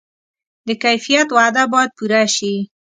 د کیفیت وعده باید پوره شي.